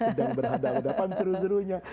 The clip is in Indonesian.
sedang berhadapan seru serunya